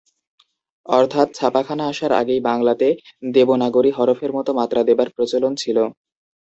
অর্থাৎ ছাপাখানা আসার আগেই বাংলাতে দেবনাগরী হরফের মত মাত্রা দেবার প্রচলন ছিল।